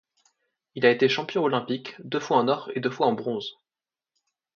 Il a été champion olympique, deux fois en or et deux fois en bronze.